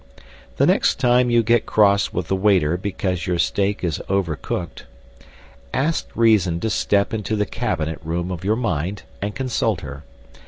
The next time you get cross with the waiter because your steak is over cooked, ask reason to step into the cabinet room of your mind, and consult her.